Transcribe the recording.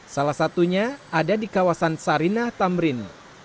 salah satunya ada di kawasan sarinah tamrin